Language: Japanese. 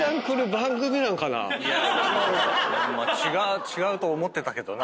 違う違うと思ってたけどな。